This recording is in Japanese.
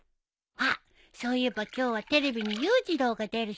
あっそういえば今日はテレビに裕次郎が出る日だよ。